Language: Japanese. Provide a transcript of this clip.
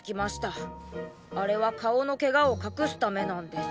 あれは顔のケガを隠すためなんです。